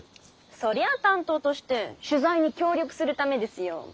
そりゃあ担当として取材に協力するためですよォ。